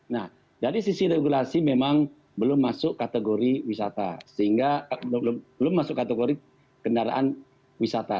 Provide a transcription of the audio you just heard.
nah dari sisi regulasi memang belum masuk kategori kendaraan wisata